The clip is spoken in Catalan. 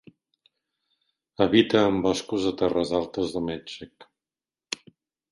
Habita en boscos de terres altes de Mèxic.